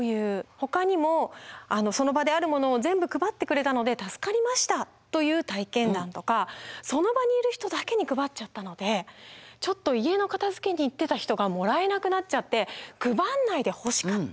ほかにもその場であるものを全部配ってくれたので助かりましたという体験談とかその場にいる人だけに配っちゃったのでちょっと家の片づけに行ってた人がもらえなくなっちゃって配んないでほしかった。